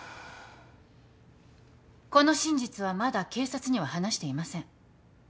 この真実はまだ警察には話していません。